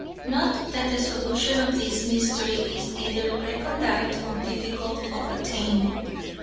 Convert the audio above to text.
Not that the solution of this mystery is either recondite or difficult of attainment.